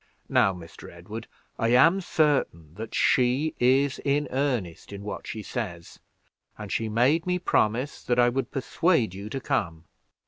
Now, Mr. Edward, I am certain that she is earnest in what she says, and she made me promise that I would persuade you to come.